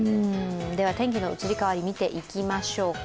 天気の移り変わりを見ていきましょうか。